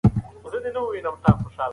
هغه وویل چې دی به خپل درسونه وايي.